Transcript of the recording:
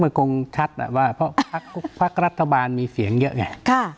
มันคงชัดอ่ะว่าเพราะภาคภาครัฐบาลมีเสียงเยอะไงค่ะ